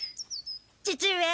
父上。